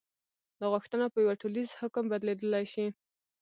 دا غوښتنه په یوه ټولیز حکم بدلېدلی شي.